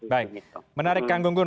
baik menarik kang gunggun